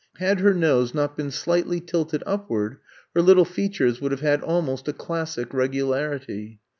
Had her nose not been slightly tilted upward her little features would have had almost a classic regularity.